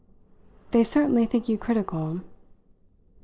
"They certainly think you critical."